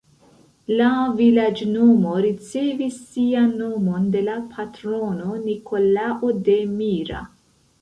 La vilaĝnomo ricevis sian nomon de la patrono Nikolao de Mira.